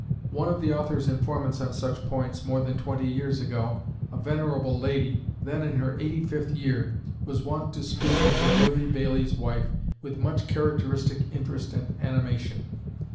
One of the author's informants on such points more than twenty years ago, a venerable lady, then in her eighty fifth year, was wont to speak of the worthy Bailie's wife with much characteristic interest and animation.